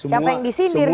siapa yang disindir nih